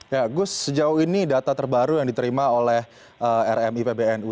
ya gus sejauh ini data terbaru yang diterima oleh rmi pbnu